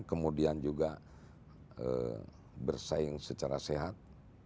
kemudian juga bersaing secara sehat